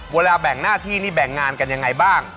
เวลาแบ่งหน้าที่นี่แบ่งงานกันยังไงบ้าง